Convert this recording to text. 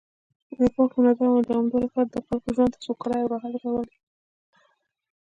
یو پاک، منظم او دوامدار ښار د خلکو ژوند ته سوکالي او راحت راوړي